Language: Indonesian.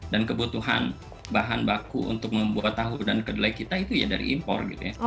dan kebutuhan bahan baku untuk membuat tahu dan kedelai kita itu ya dari impor gitu ya